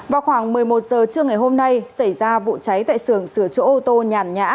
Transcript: vào khoảng một mươi một h trưa ngày hôm nay xảy ra vụ cháy tại sườn sửa chỗ ô tô nhàn nhã